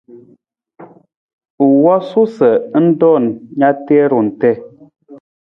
U wosu sa ng roon na tarung tii.